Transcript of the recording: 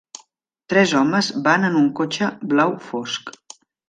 tres homes van en un cotxe blau fosc.